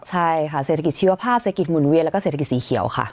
ใช่ค่ะเศรษฐกิจชีวภาพเศรษฐกิจหมุนเวียนแล้วก็เศรษฐกิจสีเขียวค่ะ